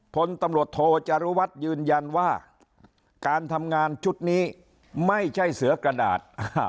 ผลตำรวจโทจารุวัฒน์ยืนยันว่าการทำงานชุดนี้ไม่ใช่เสือกระดาษ